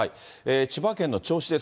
千葉県の銚子です。